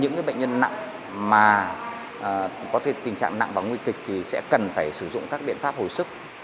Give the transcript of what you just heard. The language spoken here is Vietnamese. những bệnh nhân nặng mà có thể tình trạng nặng và nguy kịch thì sẽ cần phải sử dụng các biện pháp hồi sức